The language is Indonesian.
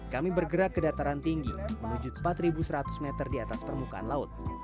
kami bergerak ke dataran tinggi menuju empat seratus meter di atas permukaan laut